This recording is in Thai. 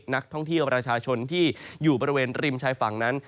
นักท่องเที่ยวประชาชนที่อยู่บริเวณริมชายฝั่งนั้น